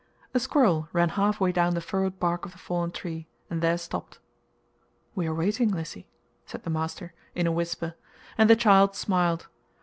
A squirrel ran halfway down the furrowed bark of the fallen tree, and there stopped. "We are waiting, Lissy," said the master, in a whisper, and the child smiled.